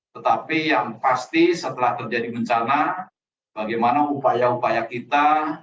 tetapi yang pasti setelah terjadi bencana bagaimana upaya upaya kita